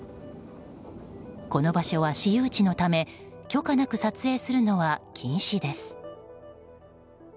この場所は私有地のため許可なく撮影するのは禁止です。